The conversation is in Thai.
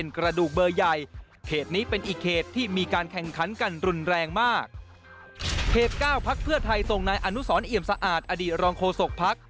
เขต๙พักเพื่อไทยทรงในอนุสรอิ่มสะอาดอดีตรองโคศกพัก